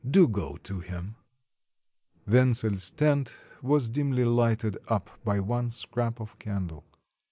Do go to him." Wentzel's tent was dimly lighted up by one scrap of candle.